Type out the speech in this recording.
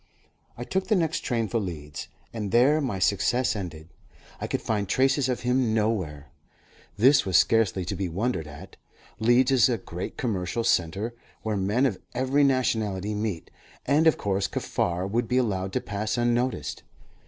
I took the next train for Leeds, and there my success ended. I could find traces of him nowhere. This was scarcely to be wondered at. Leeds is a great commercial centre, where men of every nationality meet, and of course Kaffar would be allowed to pass unnoticed.